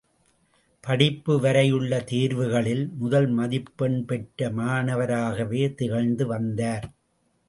படிப்பு வரையுள்ள தேர்வுகளில் முதல் மதிப்பெண் பெற்ற மாணவராகவே திகழ்ந்து வந்தார்.